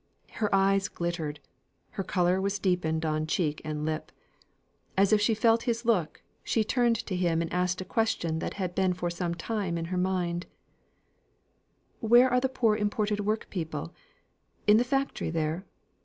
Her eyes glittered, her colour was deepened on cheek and lip. As if she felt his look, she turned to him and asked a question that had been for some time in her mind: "Where are the poor imported workpeople? In the factory there?"